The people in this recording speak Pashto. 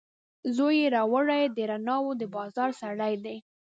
زوی یې راوړي، د رڼاوو دبازار سړی دی